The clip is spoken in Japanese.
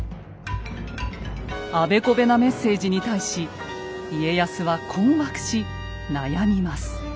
あべこべなメッセージに対し家康は困惑し悩みます。